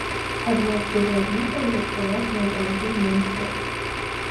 Адна з тых размоваў засталася назаўжды ў маім сэрцы.